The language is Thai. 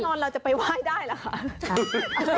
พระนอนเราจะไปไหว้ได้หรอคะ